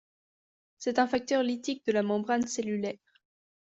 C'est un facteur lytique de la membrane cellulaire.